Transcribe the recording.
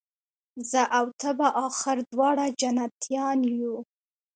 زه او ته به آخر دواړه جنتیان یو